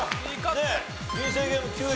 ねえ人生ゲーム９位。